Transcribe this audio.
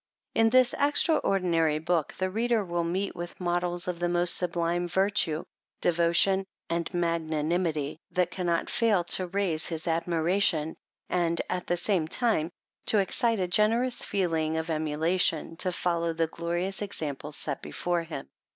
In this extraordinary book, the reader will meet with models of the most sublime virtue, devotion and magnanimity, that cannot fail to raise his admiration, and, at the same time, to excite a generous feeling of emula tion to follow the glorious examples set before him.